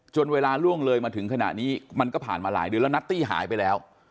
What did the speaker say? เวลาล่วงเลยมาถึงขณะนี้มันก็ผ่านมาหลายเดือนแล้วนัตตี้หายไปแล้ว